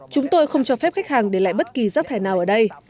chúng tôi không cho phép khách hàng để lại bất kỳ rác thải nào ở đây